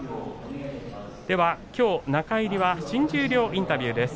きょう中入りは新十両インタビューです。